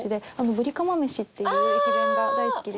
ぶりかまめしっていう駅弁が大好きで。